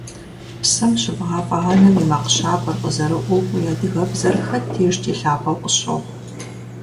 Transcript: Псэм щыбгъафӀэ анэм и макъ щабэр къызэрыӀу уи адыгэбзэр хэт дежкӀи лъапӀэу къысщохъу.